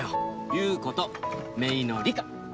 優子と姪の理香。